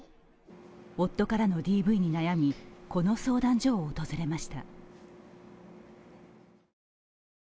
夫からのＤＶに悩み、この相談所を訪れました。